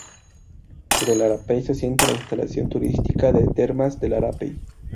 Sobre el Arapey se asienta la instalación turística de termas del Arapey.